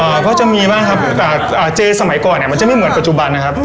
เพราะจะมีมากครับแต่เจสมัยก่อนมันจะไม่เหมือนปัจจุบันนะครับ